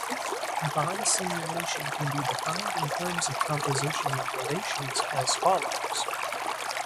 Bisimulation can be defined in terms of composition of relations as follows.